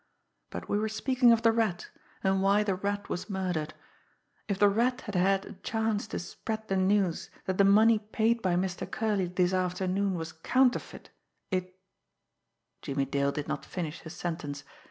But we were speaking of the Rat and why the Rat was murdered. If the Rat had had a chance to spread the news that the money paid by Mr. Curley this afternoon was counterfeit, it " Jimmie Dale did not finish his sentence.